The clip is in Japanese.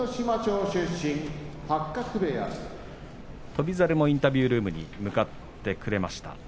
翔猿もインタビュールームに向かってくれました。